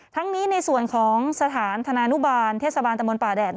ทั้งนี้ในส่วนของสถานธนานุบาลเทศบาลตะมนต์ป่าแดด